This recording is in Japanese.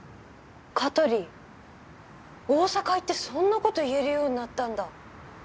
香取大阪行ってそんな事言えるようになったんだ。